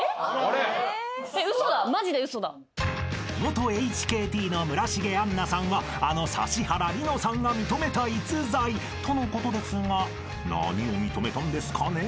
［元ＨＫＴの村重杏奈さんはあの指原莉乃さんが認めた逸材とのことですが何を認めたんですかね？］